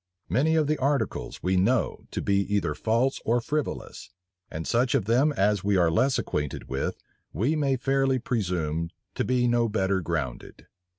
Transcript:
Many of the articles[*] we know to be either false or frivolous; and such of them as we are less acquainted with, we may fairly presume to be no better grounded.